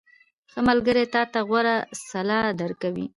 • ښه ملګری تا ته غوره سلا درکوي.